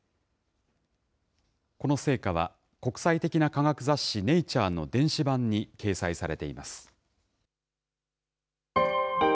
この成果は、国際的な科学雑誌、ネイチャーの電子版に掲載されています。